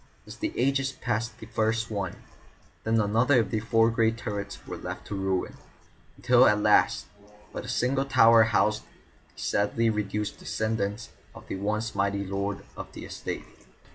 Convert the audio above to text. As the ages passed, first one, then another of the four great turrets were left to ruin, until at last but a single tower housed the sadly reduced descendants of the once mighty lords of the estate.